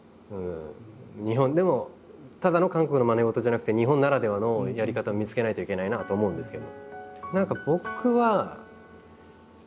日本でもただの韓国のまね事じゃなくて日本ならではのやり方を見つけないといけないなとは思うんですけど。